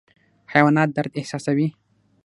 حیوانات درد احساسوي